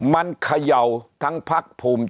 มันเขย่าทั้งภักดิ์ภูมิ